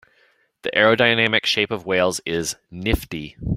The aerodynamic shape of whales is nifty.